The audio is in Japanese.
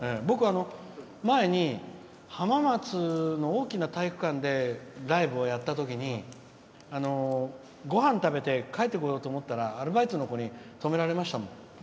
僕は、前に浜松の大きな体育館でライブをやったときにごはん食べて帰ってこようと思ったらアルバイトの子に止められましたもん。